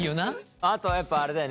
あとはやっぱあれだよね